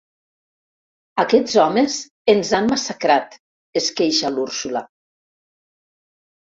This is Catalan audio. Aquests homes ens han massacrat –es queixa l'Úrsula.